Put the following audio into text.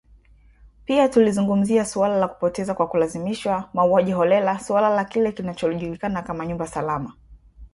Pia tulizungumzia suala la kupotea kwa kulazimishwa, mauaji holela, suala la kile kinachojulikana kama nyumba salama.